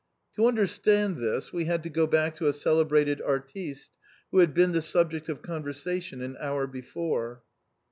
To understand this, we had to go back to a celebrated artiste^ who had been the sub ject of conversation an hour before.